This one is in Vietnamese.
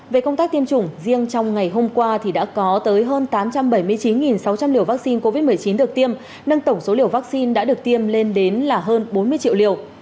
về công tác tiêm chủng riêng trong ngày hôm qua thì đã có tới hơn tám trăm bảy mươi chín sáu trăm linh liều vaccine covid một mươi chín được tiêm nâng tổng số liều vaccine đã được tiêm lên đến là hơn bốn mươi triệu liều